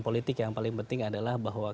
politik yang paling penting adalah bahwa